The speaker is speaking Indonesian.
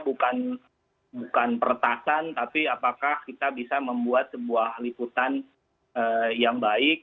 bukan peretasan tapi apakah kita bisa membuat sebuah liputan yang baik